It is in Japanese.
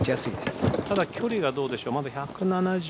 ただ、距離がどうでしょうまだ１７０